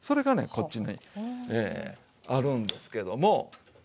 こっちにあるんですけども。